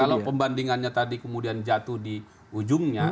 kalau pembandingannya tadi kemudian jatuh di ujungnya